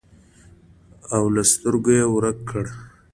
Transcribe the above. او له سترګو یې ورک کړ.